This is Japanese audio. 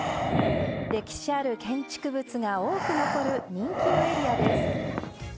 歴史ある建築物が多く残る人気のエリアです